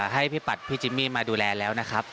ให้พี่ปัดพี่จิมมี่มาดูแลแล้วนะครับ